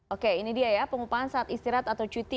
oke ini dia ya pengupahan saat istirahat atau cuti